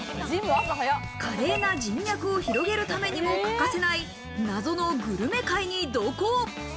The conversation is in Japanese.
華麗な人脈を広げるためにも欠かせない謎のグルメ会に同行。